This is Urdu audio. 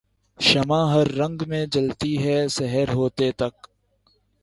شمع ہر رنگ میں جلتی ہے سحر ہوتے تک